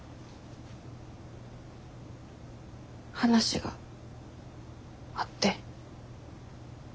話があって。